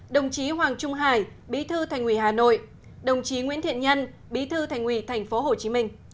đồng chí hoàng trung hải bí thư thành ủy hà nội đồng chí nguyễn thiện nhân bí thư thành ủy tp hcm